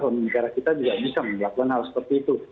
karena negara kita juga bisa melakukan hal seperti itu